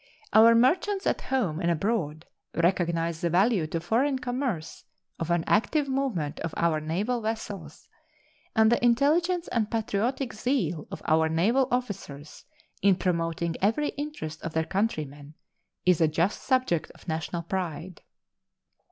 Our merchants at home and abroad recognize the value to foreign commerce of an active movement of our naval vessels, and the intelligence and patriotic zeal of our naval officers in promoting every interest of their countrymen is a just subject of national pride.